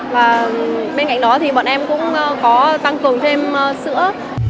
và bên cạnh đó thì bọn em cũng có tăng cường thêm sữa